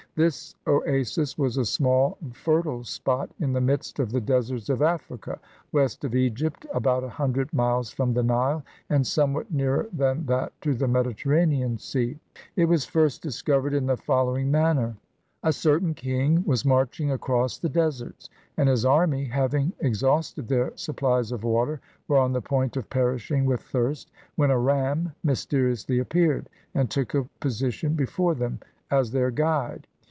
This oasis was a small fertile spot in the midst of the deserts of Africa, west of Egypt, about a hundred miles from the Nile, and somewhat nearer than that to the Mediterranean Sea. It was first discovered in the following manner: A certain king was marching across the deserts, and his army, having ex hausted their supplies of water, were on the point of perishing wdth thirst, when a ram mysteriously appeared, and took a position before them as their guide.